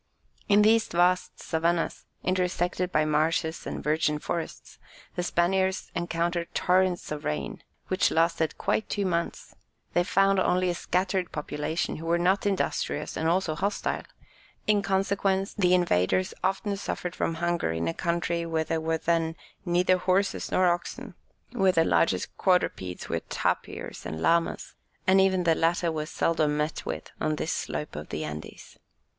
In these vast Savannahs, intersected by marshes and virgin forests, the Spaniards encountered torrents of rain, which lasted quite two months; they found only a scattered population, who were not industrious and also hostile; in consequence, the invaders often suffered from hunger in a country where there were then neither horses nor oxen, where the largest quadrupeds were tapirs and llamas, and even the latter were seldom met with on this slope of the Andes.